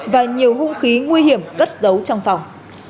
và nhiều hung khí nguy hiểm cất giấu trong phòng